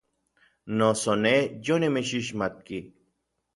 Noso nej yonimitsixmatki.